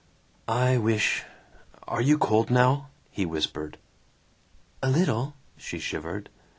"I wish Are you cold now?" he whispered. "A little." She shivered.